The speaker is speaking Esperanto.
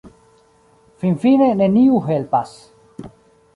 Finfine neniu helpas.